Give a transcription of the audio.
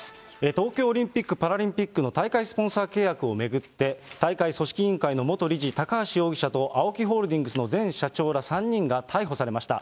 東京オリンピック・パラリンピックの大会スポンサー契約を巡って、大会組織委員会の元理事、高橋容疑者と、ＡＯＫＩホールディングスの前社長ら３人が逮捕されました。